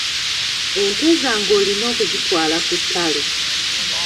Ente zange olina okuzitwala ku ttale.